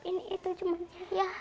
ini itu cuman ya gitu lah